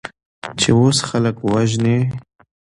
چې اوس خلک وژنې؟